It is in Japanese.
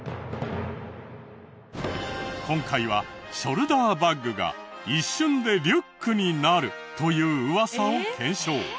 今回はショルダーバッグが一瞬でリュックになるというウワサを検証。